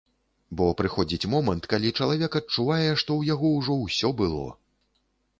Бо прыходзіць момант, калі чалавек адчувае, што ў яго ўжо ўсё было.